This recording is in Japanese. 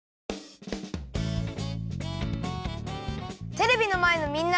テレビのまえのみんな！